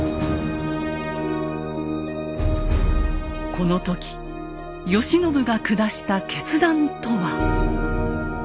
この時慶喜が下した決断とは。